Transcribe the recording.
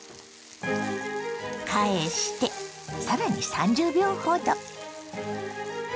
返してさらに３０秒ほど。